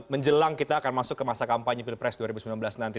menjelang kita akan masuk ke masa kampanye pilpres dua ribu sembilan belas nanti